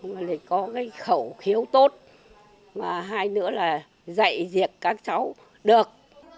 mà lại có cái khẩu khiếu tốt mà hai nữa là dạy diệt các cháu được